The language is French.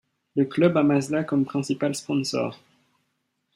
Le Club a Mazda comme principal sponsor.